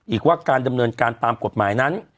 อีกว่าการดำเนินการตามกฎหมายนั้น